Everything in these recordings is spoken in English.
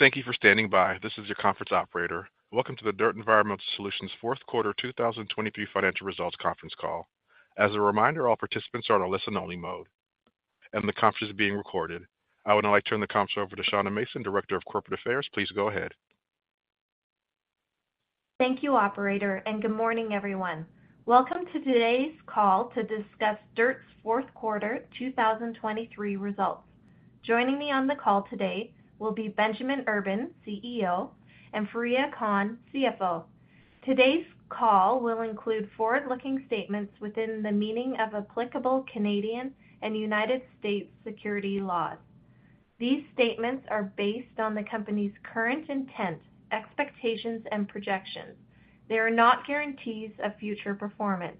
Thank you for standing by. This is your conference operator. Welcome to the DIRTT Environmental Solutions fourth quarter 2023 financial results conference call. As a reminder, all participants are on a listen-only mode. The conference is being recorded. I would now like to turn the conference over to Shauna Mason, Director of Corporate Affairs. Please go ahead. Thank you, operator, and good morning, everyone. Welcome to today's call to discuss DIRTT's fourth quarter 2023 results. Joining me on the call today will be Benjamin Urban, CEO, and Fareeha Khan, CFO. Today's call will include forward-looking statements within the meaning of applicable Canadian and United States securities laws. These statements are based on the company's current intent, expectations, and projections. They are not guarantees of future performance.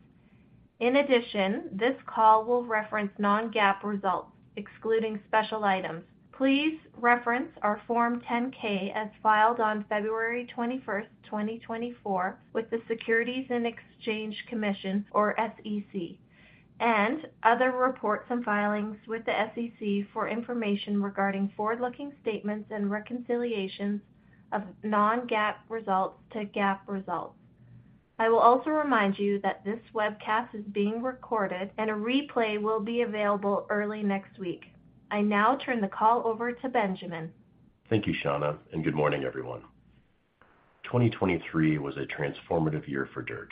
In addition, this call will reference non-GAAP results, excluding special items. Please reference our Form 10-K as filed on February 21, 2024, with the Securities and Exchange Commission, or SEC, and other reports and filings with the SEC for information regarding forward-looking statements and reconciliations of non-GAAP results to GAAP results. I will also remind you that this webcast is being recorded, and a replay will be available early next week. I now turn the call over to Benjamin. Thank you, Shauna, and good morning, everyone. 2023 was a transformative year for DIRTT.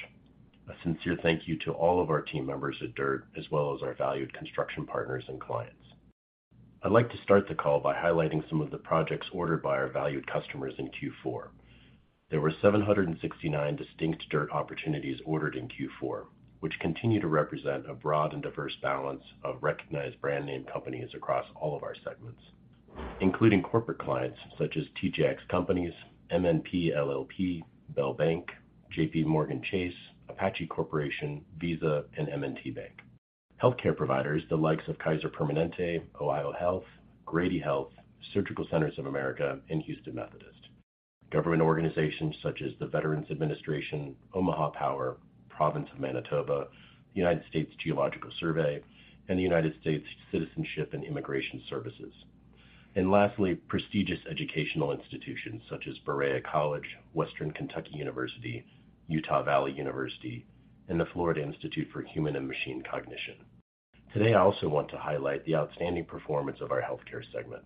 A sincere thank you to all of our team members at DIRTT, as well as our valued construction partners and clients. I'd like to start the call by highlighting some of the projects ordered by our valued customers in Q4. There were 769 distinct DIRTT opportunities ordered in Q4, which continue to represent a broad and diverse balance of recognized brand name companies across all of our segments, including corporate clients such as TJX Companies, MNP LLP, Bell Bank, JPMorgan Chase, Apache Corporation, Visa, and M&T Bank, healthcare providers the likes of Kaiser Permanente, OhioHealth, Grady Health, Ambulatory Surgical Centers of America, and Houston Methodist, government organizations such as the U.S. Department of Veterans Affairs, Omaha Public Power District, Province of Manitoba, U.S. Geological Survey, and the U.S. Citizenship and Immigration Services, and lastly, prestigious educational institutions such as Berea College, Western Kentucky University, Utah Valley University, and the Florida Institute for Human and Machine Cognition. Today, I also want to highlight the outstanding performance of our healthcare segment,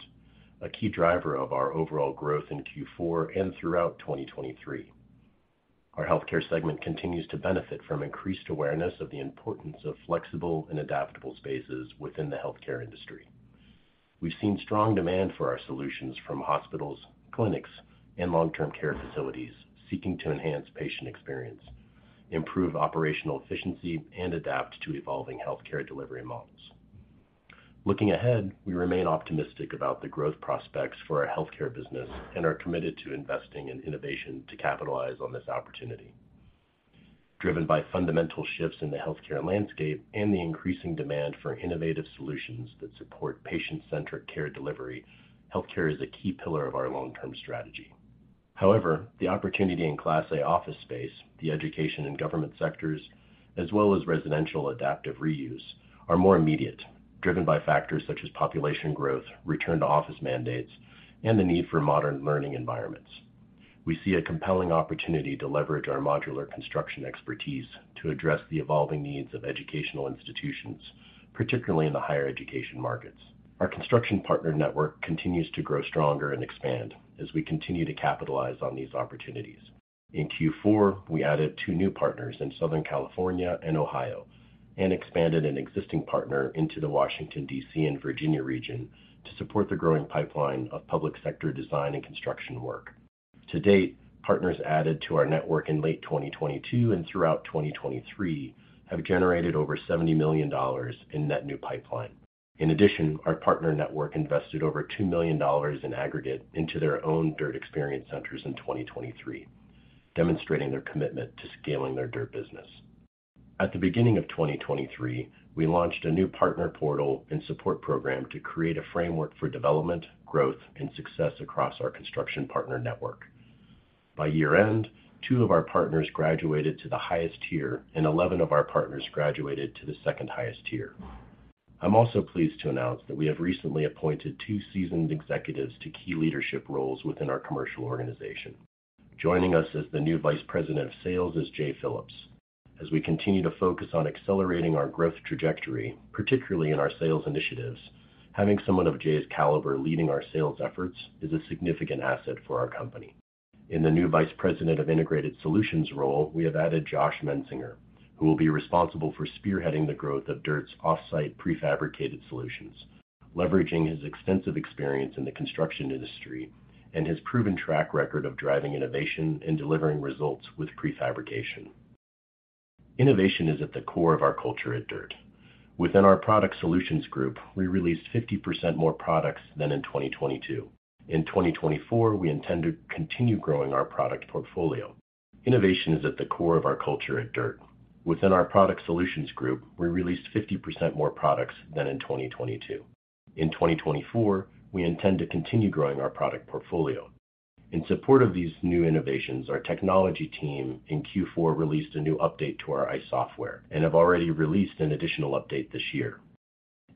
a key driver of our overall growth in Q4 and throughout 2023. Our healthcare segment continues to benefit from increased awareness of the importance of flexible and adaptable spaces within the healthcare industry. We've seen strong demand for our solutions from hospitals, clinics, and long-term care facilities seeking to enhance patient experience, improve operational efficiency, and adapt to evolving healthcare delivery models. Looking ahead, we remain optimistic about the growth prospects for our healthcare business and are committed to investing in innovation to capitalize on this opportunity. Driven by fundamental shifts in the healthcare landscape and the increasing demand for innovative solutions that support patient-centric care delivery, healthcare is a key pillar of our long-term strategy. However, the opportunity in Class A Office Space, the education and government sectors, as well as residential adaptive reuse, are more immediate, driven by factors such as population growth, return to office mandates, and the need for modern learning environments. We see a compelling opportunity to leverage our modular construction expertise to address the evolving needs of educational institutions, particularly in the higher education markets. Our construction partner network continues to grow stronger and expand as we continue to capitalize on these opportunities. In Q4, we added two new partners in Southern California and Ohio and expanded an existing partner into the Washington, D.C., and Virginia region to support the growing pipeline of public sector design and construction work. To date, partners added to our network in late 2022 and throughout 2023 have generated over $70 million in net new pipeline. In addition, our partner network invested over $2 million in aggregate into their own DIRTT experience centers in 2023, demonstrating their commitment to scaling their DIRTT business. At the beginning of 2023, we launched a new partner portal and support program to create a framework for development, growth, and success across our construction partner network. By year-end, two of our partners graduated to the highest tier, and 11 of our partners graduated to the second-highest tier. I'm also pleased to announce that we have recently appointed two seasoned executives to key leadership roles within our commercial organization. Joining us as the new Vice President of Sales is Jay Phillips. As we continue to focus on accelerating our growth trajectory, particularly in our sales initiatives, having someone of Jay's caliber leading our sales efforts is a significant asset for our company. In the new Vice President of Integrated Solutions role, we have added Josh Mensinger, who will be responsible for spearheading the growth of DIRTT's off-site prefabricated solutions, leveraging his extensive experience in the construction industry and his proven track record of driving innovation and delivering results with prefabrication. Innovation is at the core of our culture at DIRTT. Within our product solutions group, we released 50% more products than in 2022. In 2024, we intend to continue growing our product portfolio. Innovation is at the core of our culture at DIRTT. Within our product solutions group, we released 50% more products than in 2022. In 2024, we intend to continue growing our product portfolio. In support of these new innovations, our technology team in Q4 released a new update to our ICE software and have already released an additional update this year.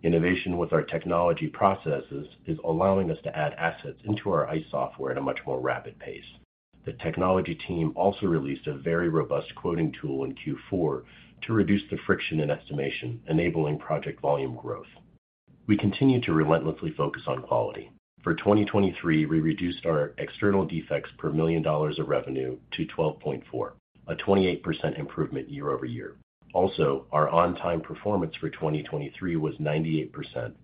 Innovation with our technology processes is allowing us to add assets into our ICE software at a much more rapid pace. The technology team also released a very robust quoting tool in Q4 to reduce the friction in estimation, enabling project volume growth. We continue to relentlessly focus on quality. For 2023, we reduced our external defects per $1 million of revenue to 12.4, a 28% improvement year-over-year. Also, our on-time performance for 2023 was 98%,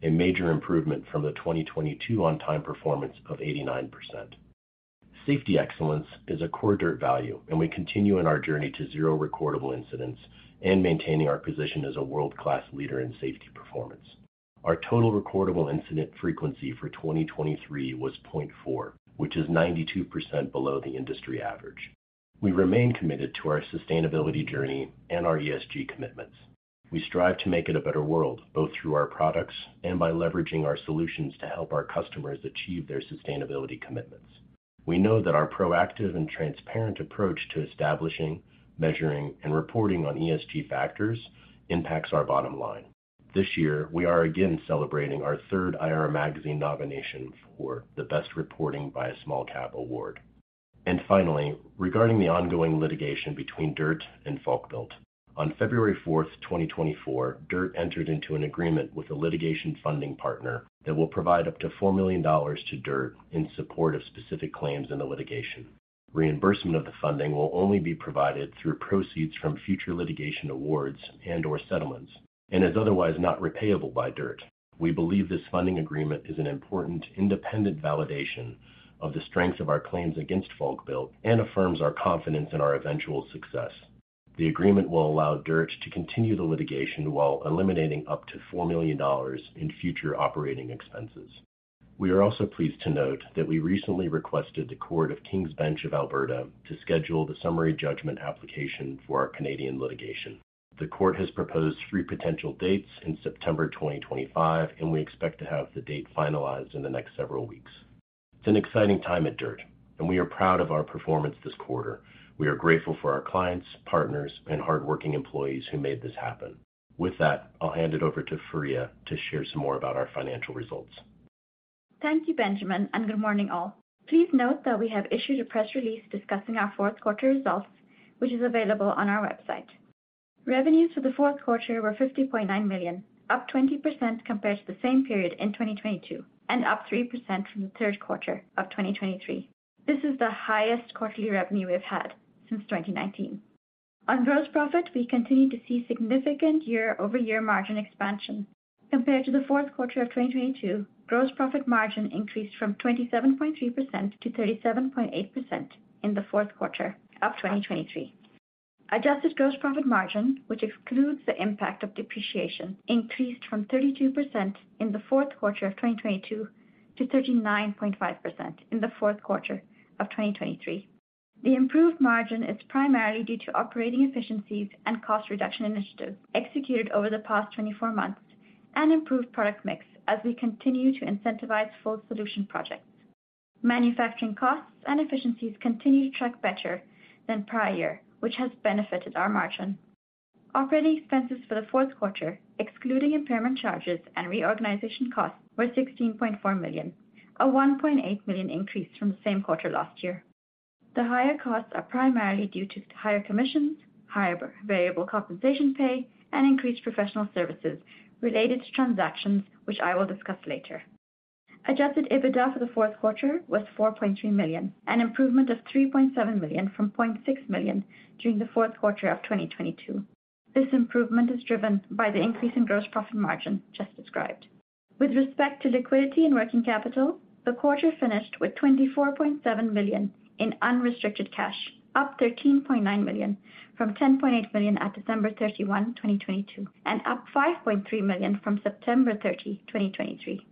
a major improvement from the 2022 on-time performance of 89%. Safety excellence is a core DIRTT value, and we continue in our journey to zero recordable incidents and maintaining our position as a world-class leader in safety performance. Our total recordable incident frequency for 2023 was 0.4, which is 92% below the industry average. We remain committed to our sustainability journey and our ESG commitments. We strive to make it a better world both through our products and by leveraging our solutions to help our customers achieve their sustainability commitments. We know that our proactive and transparent approach to establishing, measuring, and reporting on ESG factors impacts our bottom line. This year, we are again celebrating our third IR Magazine nomination for the Best Reporting by a Small Cap award. And finally, regarding the ongoing litigation between DIRTT and Falkbuilt, on February 4, 2024, DIRTT entered into an agreement with a litigation funding partner that will provide up to $4 million to DIRTT in support of specific claims in the litigation. Reimbursement of the funding will only be provided through proceeds from future litigation awards and/or settlements and is otherwise not repayable by DIRTT. We believe this funding agreement is an important, independent validation of the strengths of our claims against Falkbuilt and affirms our confidence in our eventual success. The agreement will allow DIRTT to continue the litigation while eliminating up to $4 million in future operating expenses. We are also pleased to note that we recently requested the Court of King's Bench of Alberta to schedule the summary judgment application for our Canadian litigation. The court has proposed three potential dates in September 2025, and we expect to have the date finalized in the next several weeks. It's an exciting time at DIRTT, and we are proud of our performance this quarter. We are grateful for our clients, partners, and hardworking employees who made this happen. With that, I'll hand it over to Fareeha to share some more about our financial results. Thank you, Benjamin, and good morning, all. Please note that we have issued a press release discussing our fourth quarter results, which is available on our website. Revenues for the fourth quarter were $50.9 million, up 20% compared to the same period in 2022 and up 3% from the third quarter of 2023. This is the highest quarterly revenue we've had since 2019. On gross profit, we continue to see significant year-over-year margin expansion. Compared to the fourth quarter of 2022, gross profit margin increased from 27.3%-37.8% in the fourth quarter of 2023. Adjusted gross profit margin, which excludes the impact of depreciation, increased from 32%-39.5% in the fourth quarter of 2022 to 39.5% in the fourth quarter of 2023. The improved margin is primarily due to operating efficiencies and cost reduction initiatives executed over the past 24 months and improved product mix as we continue to incentivize full solution projects. Manufacturing costs and efficiencies continue to track better than prior year, which has benefited our margin. Operating expenses for the fourth quarter, excluding impairment charges and reorganization costs, were $16.4 million, a $1.8 million increase from the same quarter last year. The higher costs are primarily due to higher commissions, higher variable compensation pay, and increased professional services related to transactions, which I will discuss later. Adjusted EBITDA for the fourth quarter was $4.3 million, an improvement of $3.7 million from $0.6 million during the fourth quarter of 2022. This improvement is driven by the increase in gross profit margin just described. With respect to liquidity and working capital, the quarter finished with $24.7 million in unrestricted cash, up $13.9 million from $10.8 million at December 31, 2022, and up $5.3 million from September 30, 2023.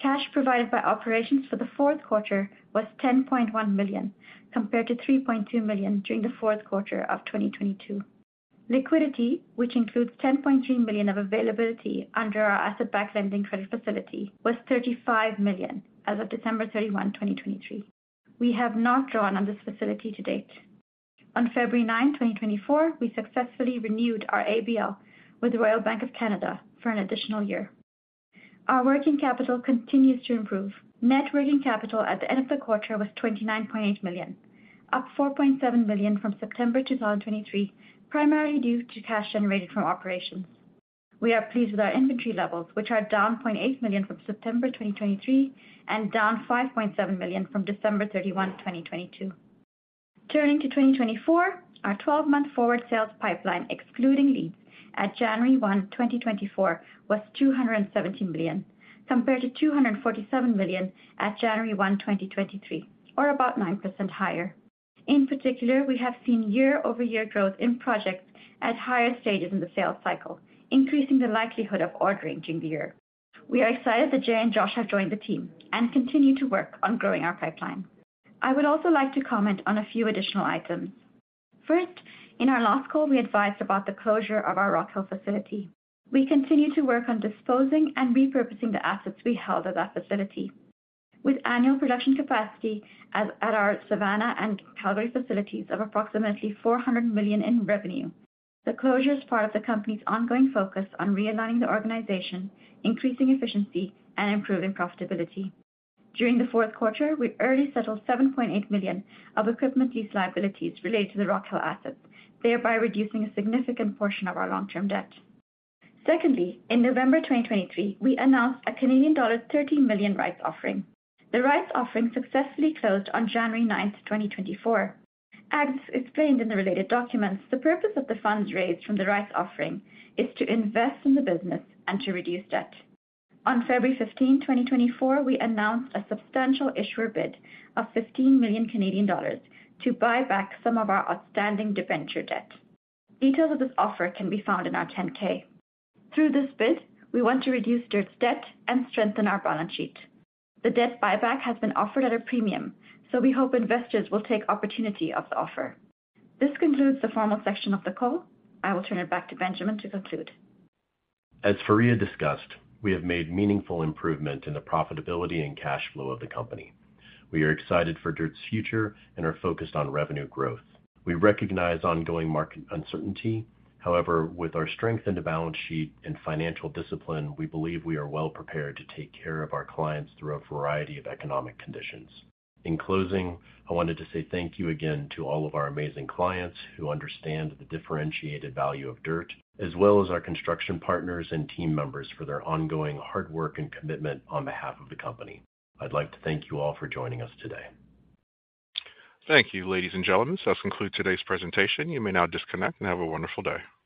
Cash provided by operations for the fourth quarter was $10.1 million compared to $3.2 million during the fourth quarter of 2022. Liquidity, which includes $10.3 million of availability under our asset-backed lending credit facility, was $35 million as of December 31, 2023. We have not drawn on this facility to date. On February 9, 2024, we successfully renewed our ABL with Royal Bank of Canada for an additional year. Our working capital continues to improve. Net working capital at the end of the quarter was $29.8 million, up $4.7 million from September 2023, primarily due to cash generated from operations. We are pleased with our inventory levels, which are down $0.8 million from September 2023 and down $5.7 million from December 31, 2022. Turning to 2024, our 12-month forward sales pipeline, excluding leads, at January 1, 2024, was $217 million compared to $247 million at January 1, 2023, or about 9% higher. In particular, we have seen year-over-year growth in projects at higher stages in the sales cycle, increasing the likelihood of ordering during the year. We are excited that Jay and Josh have joined the team and continue to work on growing our pipeline. I would also like to comment on a few additional items. First, in our last call, we advised about the closure of our Rock Hill facility. We continue to work on disposing and repurposing the assets we held at that facility. With annual production capacity at our Savannah and Calgary facilities of approximately $400 million in revenue, the closure is part of the company's ongoing focus on realigning the organization, increasing efficiency, and improving profitability. During the fourth quarter, we early settled $7.8 million of equipment lease liabilities related to the Rock Hill assets, thereby reducing a significant portion of our long-term debt. Secondly, in November 2023, we announced a Canadian dollar 30 million rights offering. The rights offering successfully closed on January 9, 2024. As explained in the related documents, the purpose of the funds raised from the rights offering is to invest in the business and to reduce debt. On February 15, 2024, we announced a substantial issuer bid of $15 million to buy back some of our outstanding debenture debt. Details of this offer can be found in our Form 10-K. Through this bid, we want to reduce DIRTT's debt and strengthen our balance sheet. The debt buyback has been offered at a premium, so we hope investors will take opportunity of the offer. This concludes the formal section of the call. I will turn it back to Benjamin to conclude. As Fareeha discussed, we have made meaningful improvement in the profitability and cash flow of the company. We are excited for DIRTT's future and are focused on revenue growth. We recognize ongoing market uncertainty. However, with our strength in the balance sheet and financial discipline, we believe we are well prepared to take care of our clients through a variety of economic conditions. In closing, I wanted to say thank you again to all of our amazing clients who understand the differentiated value of DIRTT, as well as our construction partners and team members for their ongoing hard work and commitment on behalf of the company. I'd like to thank you all for joining us today. Thank you, ladies and gentlemen. That concludes today's presentation. You may now disconnect and have a wonderful day.